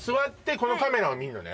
このカメラを見るのね？